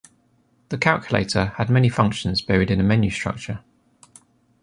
The calculator had many functions buried in a menu structure.